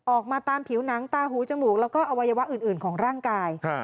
ออกมาตามผิวหนังตาหูจมูกแล้วก็อวัยวะอื่นของร่างกาย